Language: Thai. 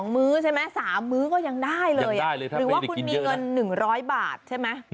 มื้อใช่ไหม๓มื้อก็ยังได้เลยหรือว่าคุณมีเงิน๑๐๐บาทใช่ไหม